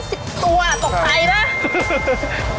ตกใจนะ